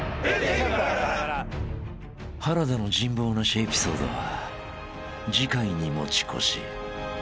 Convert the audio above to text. ［原田の人望なしエピソードは次回に持ち越し］